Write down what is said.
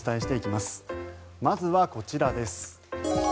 まずはこちらです。